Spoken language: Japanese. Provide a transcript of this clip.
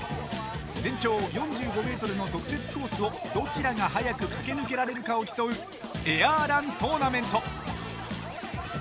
全長４５ｍの特設コースをどちらが速く駆け抜けられるかを競うエアーラントーナメント。